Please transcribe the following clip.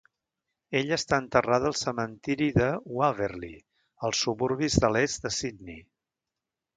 Ella està enterrada al cementiri de Waverley, als suburbis de l'est de Sydney.